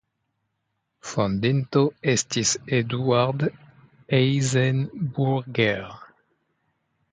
Fondinto estis Eduard Eisenburger.